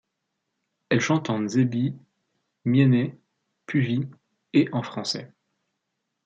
Elle chante en nzebi, myènè, puvi… et en français.